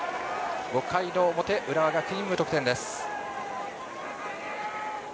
５回の表、浦和学院無得点です。